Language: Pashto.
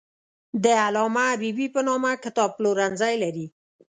د علامه حبیبي په نامه کتاب پلورنځی لري.